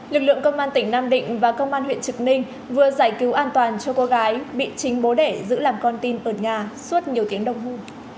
lực lượng công an tỉnh nam định và công an huyện trực ninh vừa giải cứu an toàn cho cô gái bị chính bố đẻ giữ làm con tin ở nhà suốt nhiều tiếng đồng hồ